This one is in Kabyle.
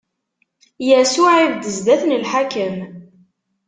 Yasuɛ ibedd zdat n lḥakem.